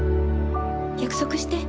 約束して。